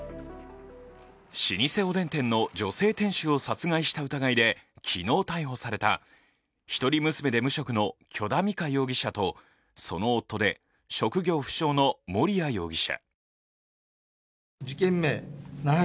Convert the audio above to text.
老舗おでん店の女性店主を殺害した疑いで昨日逮捕された一人娘で無職の許田美香容疑者とその夫で職業不詳の盛哉容疑者。